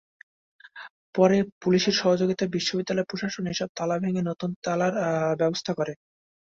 পরে পুলিশের সহযোগিতায় বিশ্ববিদ্যালয় প্রশাসন এসব তালা ভেঙে নতুন তালার ব্যবস্থা করে।